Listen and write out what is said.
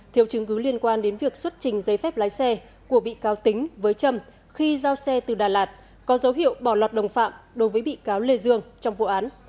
thiếu chứng cứ liên quan đến việc xuất trình giấy phép lái xe của bị cáo tính với trâm khi giao xe từ đà lạt có dấu hiệu bỏ lọt đồng phạm đối với bị cáo lê dương trong vụ án